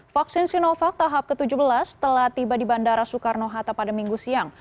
vaksin sinovac tahap ke tujuh belas telah tiba di bandara soekarno hatta pada minggu siang